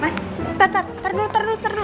mas ntar ntar ntar dulu ntar dulu ntar dulu